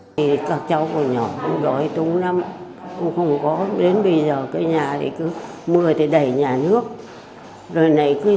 tất cả các ông các bà các bác các ông các bác cũng quan tâm đến tôi già yếu